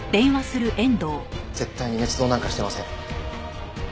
絶対に捏造なんかしてません。